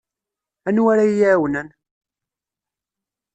Anwa ara iyi-iɛawnen?